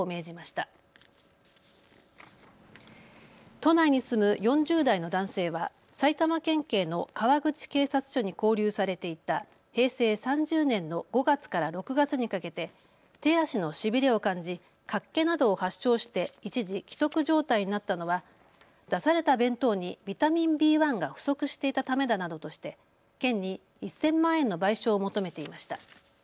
都内に住む４０代の男性は埼玉県警の川口警察署に勾留されていた平成３０年の５月から６月にかけて手足のしびれを感じかっけなどを発症して一時、危篤状態になったのは出された弁当にビタミンＢ１が不足していたためだなどとして県に１０００万円の賠償を求めていました。